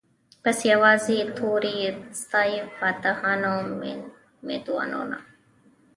بس یوازي توري ستايی فاتحان او میدانونه